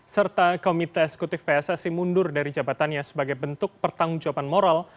serta komite eksekutif pssi mundur dari jabatannya sebagai bentuk pertanggung jawaban moral